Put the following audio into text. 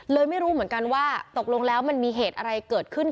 ไม่รู้เหมือนกันว่าตกลงแล้วมันมีเหตุอะไรเกิดขึ้น